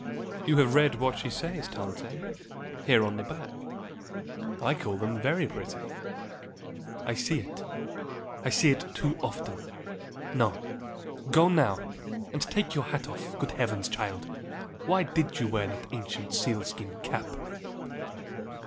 "You have read what she says, Tante, here on the back? I call that very pretty." "I see it. I see it too often. No. Go now, and take your hat off. Good heavens, child, why did you wear that ancient sealskin cap?"